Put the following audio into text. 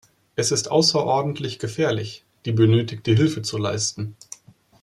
Es ist außerordentlich gefährlich, die benötigte Hilfe zu leisten.